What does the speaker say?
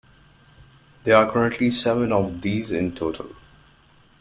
There are currently seven of these in total.